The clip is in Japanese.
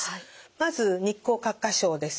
まず日光角化症です。